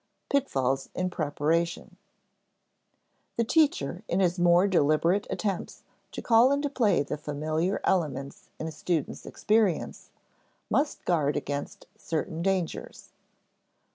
[Sidenote: Pitfalls in preparation] The teacher in his more deliberate attempts to call into play the familiar elements in a student's experience, must guard against certain dangers.